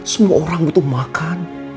semua orang butuh makan